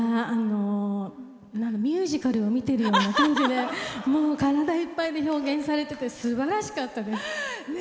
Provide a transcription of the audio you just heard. ミュージカルを見てるような感じで体いっぱいに表現されててすばらしかったです。